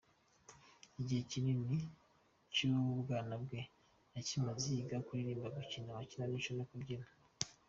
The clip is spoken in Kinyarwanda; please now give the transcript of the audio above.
Igihe kinini cy’ubwana bwe yakimaze yiga kuririmba, gukina amakinamico no kubyina.